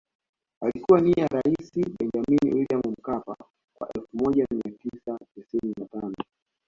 Alikuwa nia rais Benjamini Wiliam Mkapa mwaka elfu moja mia tisa tisini na tano